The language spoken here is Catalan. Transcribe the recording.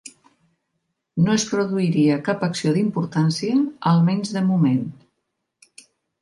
No es produiria cap acció d'importància, almenys de moment